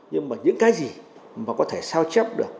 nhưng mà những cái gì mà có thể sao chép được